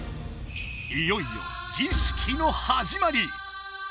いよいよ儀式のはじまり！